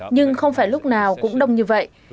nhưng không phải lúc nào cũng đông như vậy